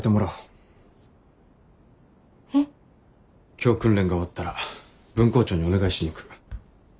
今日訓練が終わったら分校長にお願いしに行く。